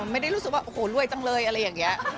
ไม่ได้รู้สึกว่าโอ้โหรวยจังเลยอะไรอย่างนี้